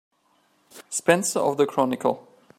Spencer of the Chronicle.